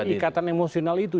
ikatan emosional itu